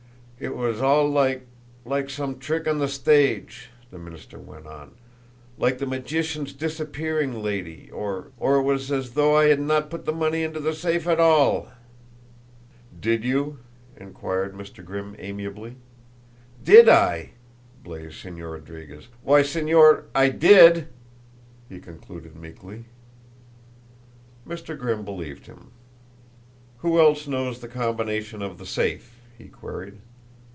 "It was all like like some trick on the stage," the minister went on, "like the magician's disappearing lady, or or ! It was as though I had not put the money into the safe at all!" "Did you?" inquired Mr. Grimm amiably. "Did I?" blazed Señor Rodriguez. "Why, Señor ! I did!" he concluded meekly. Mr. Grimm believed him. "Who else knows the combination of the safe?" he queried.